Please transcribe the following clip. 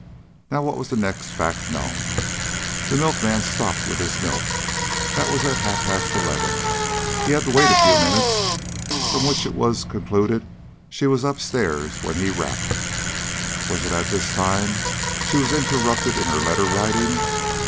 Now what was the next fact known? The milkman stopped with his milk; that was at half past eleven. He had to wait a few minutes, from which it was concluded she was up stairs when he rapped. Was it at this time she was interrupted in her letter writing?